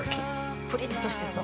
プリッとしてそう。